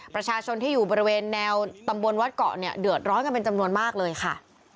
ประชาชนที่อยู่บริเวณแนวตำบลวัดเกาะเนี่ยเดือดร้อนกันเป็นจำนวนมากเลยค่ะ